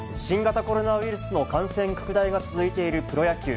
新型コロナウイルスの感染拡大が続いているプロ野球。